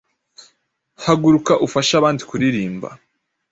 Haguruka ufashe abandi kuririmba